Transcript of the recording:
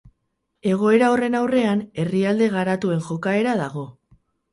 Egoera horren aurrean, herrialde garatuen jokaera dago.